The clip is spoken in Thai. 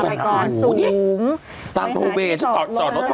จอดไปก่อนสูงนี้ไม่หายใจจอมบเล่นเลยโอ้โหโอ้โห